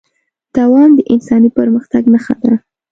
دوام د انساني پرمختګ نښه ده.